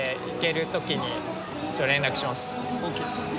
ＯＫ。